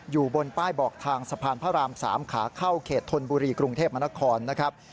อยู่บนป้ายบอกทางสะพานพระราม๓ขาเข้าเขตธนบุรีกรุงเทพมนครนะครับ